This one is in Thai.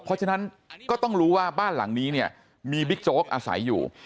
เพราะฉะนั้นก็ต้องรู้ว่าบ้านหลังนี้เนี่ยมีบิ๊กโจ๊กอาศัยอยู่